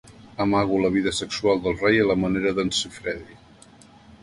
Amago la vida sexual del rei a la manera d'en Siffredi.